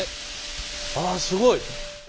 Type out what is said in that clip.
あすごい。